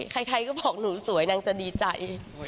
ใครก็บอกหนูสวยนางจะดีใจ